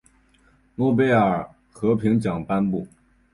诺贝尔和平奖颁发。